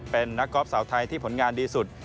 เป็นนักกอล์ฟสาวไทยที่ผลงานดีสุด